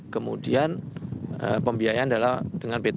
kemudian pembiayaan adalah dengan pt